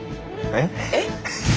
えっ？